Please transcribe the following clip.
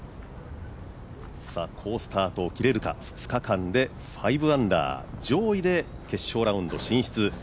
好スタートを切れるか、２日間で５アンダー上位で決勝ラウンド進出。